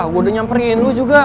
gue udah nyamperin lu juga